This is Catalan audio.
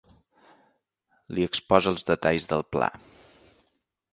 Li exposa els detalls del pla.